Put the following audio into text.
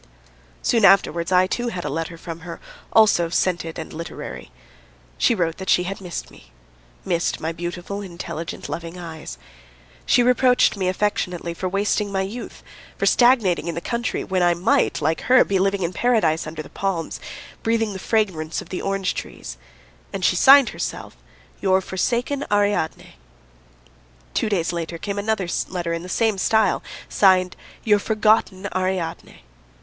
Soon afterwards I, too, had a letter from her, also scented and literary. She wrote that she had missed me, missed my beautiful, intelligent, loving eyes. She reproached me affectionately for wasting my youth, for stagnating in the country when I might, like her, be living in paradise under the palms, breathing the fragrance of the orange trees. And she signed herself "Your forsaken Ariadne." Two days later came another letter in the same style, signed "Your forgotten Ariadne."